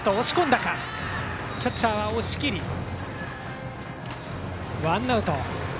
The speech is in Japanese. キャッチャー、押切とってワンアウト。